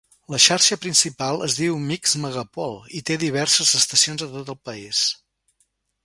La xarxa principal es diu Mix Megapol i té diverses estacions a tot el país.